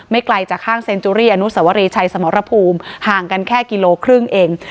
ไกลจากห้างเซ็นจุรีอนุสวรีชัยสมรภูมิห่างกันแค่กิโลครึ่งเอง